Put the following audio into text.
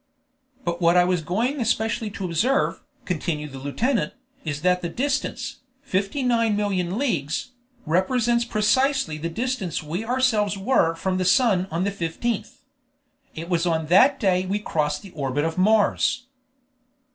"But what I was going especially to observe," continued the lieutenant, "is that the distance, 59,000,000 leagues, represents precisely the distance we ourselves were from the sun on the 15th. It was on that day we crossed the orbit of Mars."